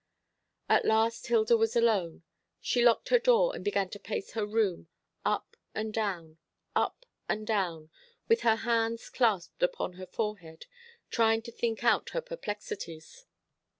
At last Hilda was alone. She locked her door, and began to pace her room, up and down, up and down, with her hands clasped upon her forehead, trying to think out her perplexities.